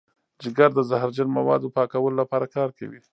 جگر د زهرجن موادو پاکولو لپاره کار کوي.